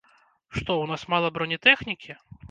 Што, у нас мала бронетэхнікі?!